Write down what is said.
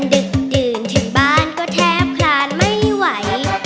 ดึกดื่นถึงบ้านก็แทบคลานไม่ไหว